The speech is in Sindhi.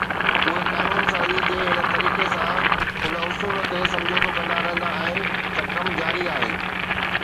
اهي قانون سازي جي هن طريقي سان ان اصول تي سمجهوتو ڪندا رهندا آهن ته ڪم جاري آهي